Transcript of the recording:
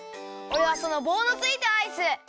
おれはそのぼうのついたアイス！